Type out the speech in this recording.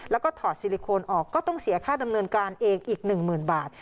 แล้วก็ถอดซิลิโคนออกก็ต้องเสียค่าดำเนินการเองอีก๑๐๐๐บาท